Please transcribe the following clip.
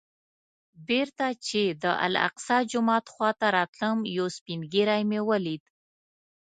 بېرته چې د الاقصی جومات خوا ته راتلم یو سپین ږیری مې ولید.